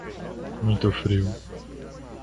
Muito frio